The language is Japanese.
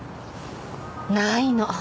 ないの。